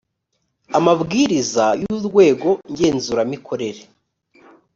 amabwiriza y urwego ngenzuramikorere